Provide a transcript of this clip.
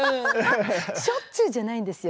しょっちゅうじゃないんですよ。